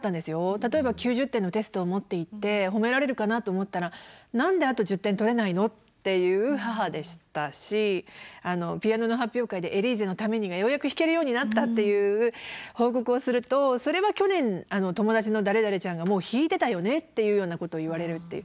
例えば９０点のテストを持っていって褒められるかなと思ったら「何であと１０点取れないの？」って言う母でしたしピアノの発表会で「エリーゼのために」がようやく弾けるようになったっていう報告をするとそれは去年友達の誰々ちゃんがもう弾いてたよねっていうようなことを言われるっていう。